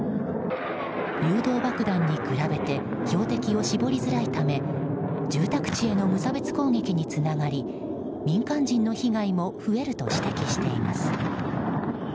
誘導爆弾に比べて標的を絞りづらいため住宅地への無差別攻撃につながり民間人の被害も増えると指摘しています。